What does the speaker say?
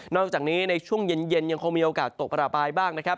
จากนี้ในช่วงเย็นยังคงมีโอกาสตกระบายบ้างนะครับ